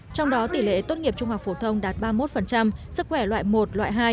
trong đó tỷ lệ tốt nghiệp trung học phổ thông đạt ba mươi một sức khỏe loại một loại hai